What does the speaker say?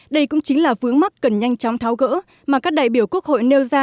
đây cũng chính là vướng mắt cần nhanh chóng tháo gỡ mà các đại biểu quốc hội nêu ra